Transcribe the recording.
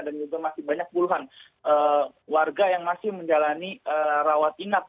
dan juga masih banyak puluhan warga yang masih menjalani rawat inap